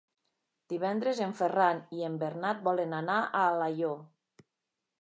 Divendres en Ferran i en Bernat volen anar a Alaior.